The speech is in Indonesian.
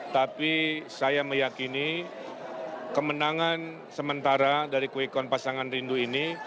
tapi saya meyakini kemenangan sementara dari quickon pasangan rindu ini